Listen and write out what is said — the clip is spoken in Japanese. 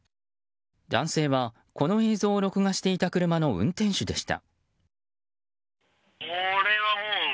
男性はこの映像を録画していた車の運転手でした。